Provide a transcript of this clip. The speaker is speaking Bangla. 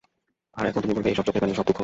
আর এখন তুমি বলো, ঐ সব চোখের পানি, সব দুঃখ।